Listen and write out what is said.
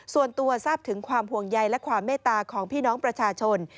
ส่วนตัวทราบถึงความห่วงใยและความเมตตาของพี่น้องประชาชน